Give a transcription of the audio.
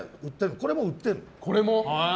これも売ってるの。